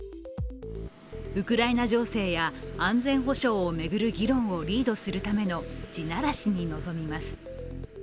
ウクライナ情勢や安全保障を巡る議論をリードするための地ならしに臨みます。